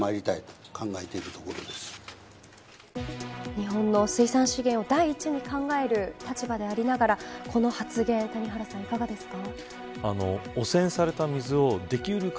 日本の水産資源を第一に考える立場でありながらこの発言谷原さんいかがですか。